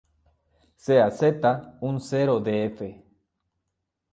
Sea "z" un cero de "f".